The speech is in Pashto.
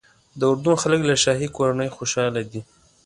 د اردن خلک له شاهي کورنۍ خوشاله دي.